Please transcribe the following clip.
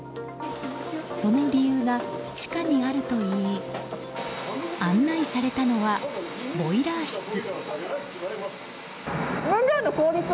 その理由が地下にあるといい案内されたのはボイラー室。